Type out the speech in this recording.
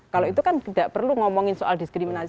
kalau itu kan tidak perlu ngomongin soal diskriminasi